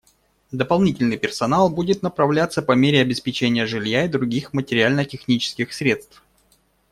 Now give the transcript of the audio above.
Дополнительный персонал будет направляться по мере обеспечения жилья и других материально-технических средств.